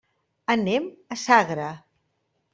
Anem a Sagra.